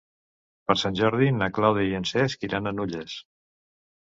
Per Sant Jordi na Clàudia i en Cesc iran a Nulles.